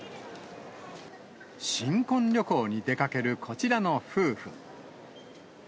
新婚旅行に出かけるこちらの夫婦。